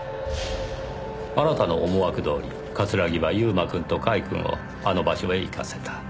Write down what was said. あなたの思惑どおり桂木は悠馬くんと甲斐くんをあの場所へ行かせた。